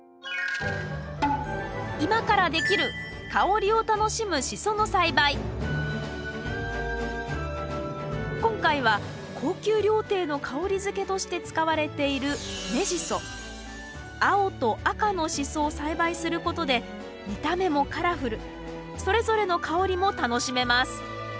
今からできる今回は高級料亭の香り付けとして使われている青と赤のシソを栽培することで見た目もカラフルそれぞれの香りも楽しめます。